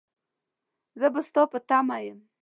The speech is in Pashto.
زه به ستا په تمه يم.